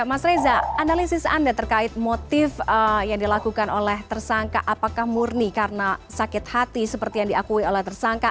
mas reza analisis anda terkait motif yang dilakukan oleh tersangka apakah murni karena sakit hati seperti yang diakui oleh tersangka